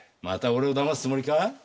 また俺をだますつもりか？